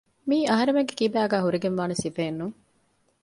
މިއީ އަހަރެމެންގެކިބާގައި ހުރެގެންވާނެ ސިފައެއްނޫން